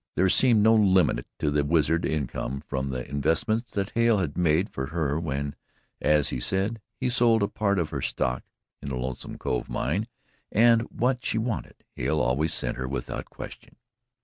There seemed no limit to the wizard income from the investments that Hale had made for her when, as he said, he sold a part of her stock in the Lonesome Cove mine, and what she wanted Hale always sent her without question.